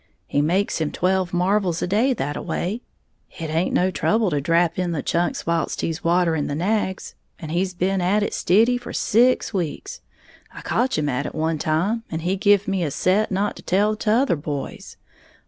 He makes him twelve marvles a day thataway it haint no trouble to drap in the chunks whilst he's watering the nags and he's been at it stiddy for six weeks. I kotch him at it one time, and he give me a set not to tell t'other boys.